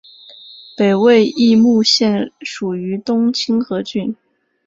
北魏绎幕县属于东清河郡。